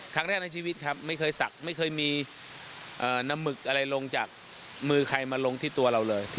ครั้งแรกในชีวิตครับไม่เคยสักไม่เคยมีน้ำหมึกอะไรลงจากมือใครมาลงที่ตัวเราเลย